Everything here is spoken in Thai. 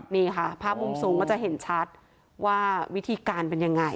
นี่ค่ะภาพมุมสูงก็จะเห็นชัดว่าวิธีการเป็นยังไง